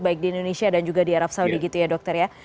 baik di indonesia dan juga di arab saudi gitu ya dokter ya